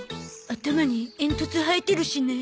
頭に煙突生えてるしね。